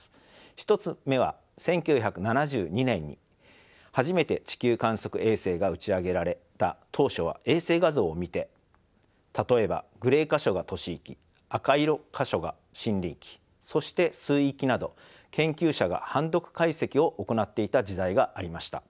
１つ目は１９７２年に初めて地球観測衛星が打ち上げられた当初は衛星画像を見て例えばグレー箇所が都市域赤色箇所が森林域そして水域など研究者が判読解析を行っていた時代がありました。